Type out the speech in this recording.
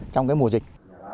trong mùa dịch